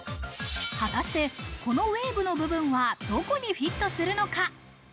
果たして、このウェーブの部分はどこにフィットするのか。